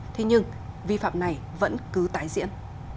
thế nhưng vi phạm này vẫn cứ tái diễn